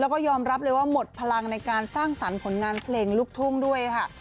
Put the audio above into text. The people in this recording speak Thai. แล้วก็ยอมรับเลยว่าหมดพลังในการสร้างสรรค์ผลงานเพลงลูกทุ่งด้วยค่ะ